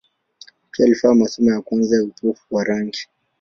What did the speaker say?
Pia alifanya masomo ya kwanza ya upofu wa rangi.